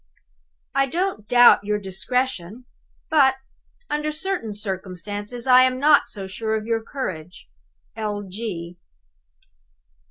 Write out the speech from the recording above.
I don't doubt your discretion; but (under certain circumstances) I am not so sure of your courage. L.